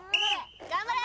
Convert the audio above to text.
頑張れ！